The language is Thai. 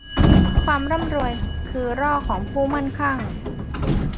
ความร่ำรวยคือล่อของผู้มั่งคั่ง